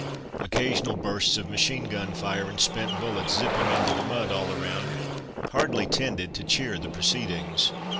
Occasional bursts of machine gun fire and spent bullets "zipping" into the mud all around hardly tended to cheer the proceedings.